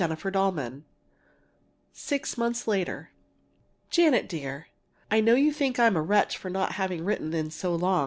CHAPTER XXI SIX MONTHS LATER JANET DEAR: I know you think I'm a wretch not to have written in so long!